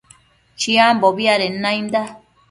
Chiambobi adenda nainda